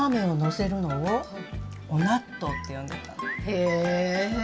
へえ！